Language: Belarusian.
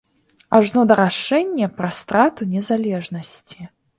Ажно да рашэння пра страту незалежнасці.